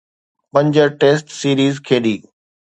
پنج test series کيڏي.